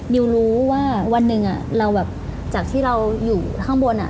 ดิวรู้ว่าวันหนึ่งเราแบบจากที่เราอยู่ข้างบน